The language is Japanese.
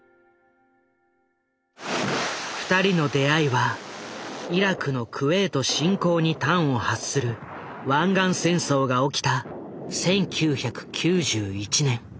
二人の出会いはイラクのクウェート侵攻に端を発する湾岸戦争が起きた１９９１年。